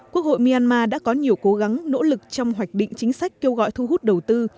quốc hội myanmar đã có nhiều cố gắng nỗ lực trong hoạch định chính sách kêu gọi thu hút đầu tư